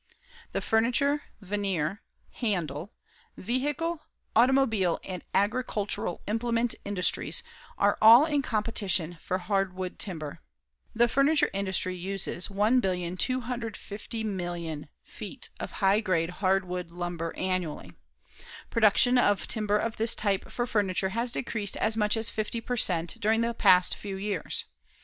The furniture, veneer, handle, vehicle, automobile and agricultural implement industries all are in competition for hardwood timber. The furniture industry uses 1,250,000,000 feet of high grade hardwood lumber annually. Production of timber of this type for furniture has decreased as much as 50 per cent. during the past few years.